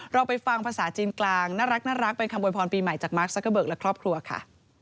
เราไปฟังภาษาจีนกลางน่ารักเป็นคำโวยพรปีใหม่จากมาร์คซักเกอร์เบิกและครอบครัวค่ะ